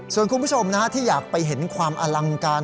ส่วนคุณผู้ชมที่อยากไปเห็นความอลังการ